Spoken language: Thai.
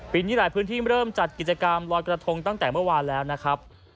นี้หลายพื้นที่เริ่มจัดกิจกรรมลอยกระทงตั้งแต่เมื่อวานแล้วนะครับ